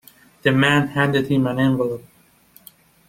The man handed him an envelope.